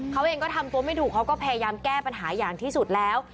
เขาเองก็ทำตัวไม่ถูกเขาก็พยายามแก้ปัญหาอย่างที่สุดแล้ว